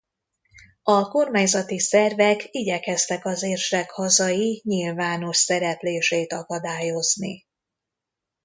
A kormányzati szervek igyekeztek az érsek hazai nyilvános szereplését akadályozni.